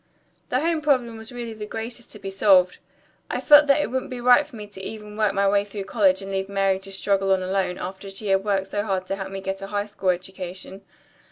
"The home problem was really the greatest to be solved. I felt that it wouldn't be right for me to even work my way through college and leave Mary to struggle on alone, after she had worked so hard to help me get a high school education.